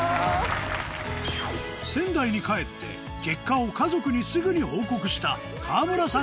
仙台に帰って結果を家族にすぐに報告した川村さん